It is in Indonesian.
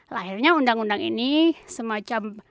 lahirnya undang undang ini semacam